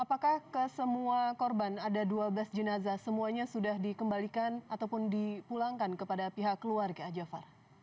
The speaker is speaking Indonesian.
apakah ke semua korban ada dua belas jenazah semuanya sudah dikembalikan ataupun dipulangkan kepada pihak keluarga jafar